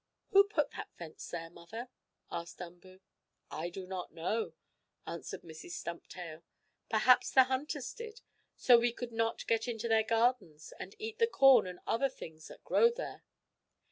"Who put the fence there, Mother?" asked Umboo. "I do not know," answered Mrs. Stumptail. "Perhaps the hunters did, so we could not get into their gardens and eat the corn and other things that grow there.